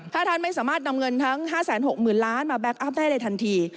ถ้าท่านไม่สามารถนำเงินทั้งห้าแสนหกหมื่นล้านมาแบ็คอัพได้เลยทันที